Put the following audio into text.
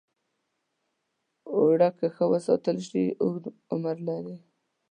اوړه که ښه وساتل شي، اوږد عمر لري